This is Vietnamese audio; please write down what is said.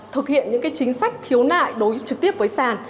thực hiện những chính sách khiếu nại đối trực tiếp với sàn